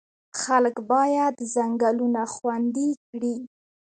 خلک باید ځنګلونه خوندي کړي.